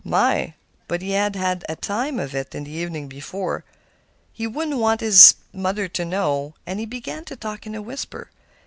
My! but he had had a time of it the evening before! He wouldn't want his mother to know, and he began to talk in a whisper.